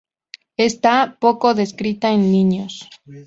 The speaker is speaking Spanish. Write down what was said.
Está poco descrita en niños.